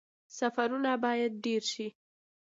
سفرونه باید ډیر شي